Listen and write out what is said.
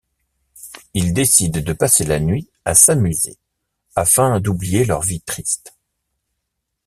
Ils décident de passer la nuit à s’amuser afin d’oublier leur vie triste.